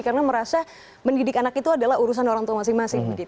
karena merasa mendidik anak itu adalah urusan orang tua masing masing